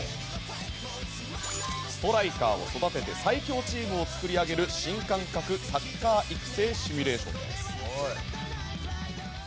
ストライカーを育てて最強チームを作り上げる新感覚サッカー育成シミュレーション。